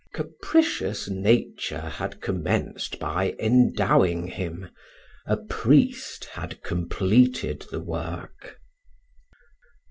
Capricious nature had commenced by endowing him, a priest had completed the work.